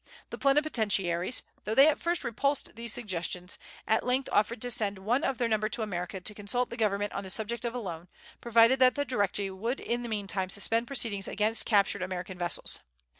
The plenipotentiaries, though they at first repulsed these suggestions, at length offered to send one of their number to America to consult the government on the subject of a loan, provided that the Directory would in the meantime suspend proceedings against captured American vessels.